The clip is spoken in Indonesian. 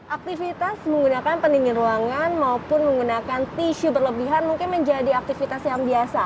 aktivitas menggunakan pendingin ruangan maupun menggunakan tisu berlebihan mungkin menjadi aktivitas yang biasa